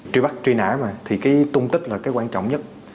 truy bắt truy nã mà thì cái tung tích là cái quan trọng nhất